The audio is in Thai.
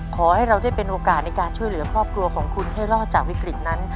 ขอให้เราได้เป็นโอกาสในการช่วยเหลือครอบครัวของคุณให้รอดจากวิกฤตนั้น